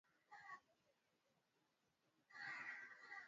Njia ya kukabiliana na ugonjwa wa homa ya mapafu ni kudhibiti kuhama kwa wanyama